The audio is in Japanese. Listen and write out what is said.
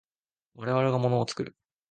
我々が物を作る。